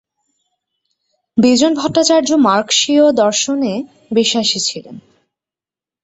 বিজন ভট্টাচার্য মার্কসীয় দর্শনে বিশ্বাসী ছিলেন।